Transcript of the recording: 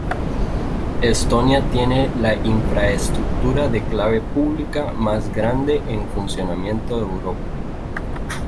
Estonia tiene la infraestructura de clave pública más grande en funcionamiento de Europa.